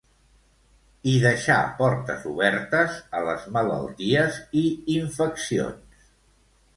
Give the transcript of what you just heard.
I deixar portes obertes a les malalties i infeccions.